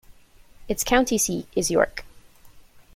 Its county seat is York.